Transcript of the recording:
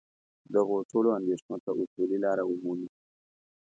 دغو ټولو اندېښنو ته اصولي لاره ومومي.